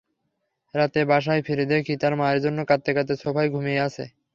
রাতে বাসায় ফিরে দেখি তার মায়ের জন্য কাঁদতে কাঁদতে সোফায় ঘুমিয়ে আছে।